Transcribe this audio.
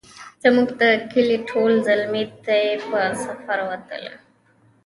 زموږ د کلې ټول زلمي دی په سفر وتلي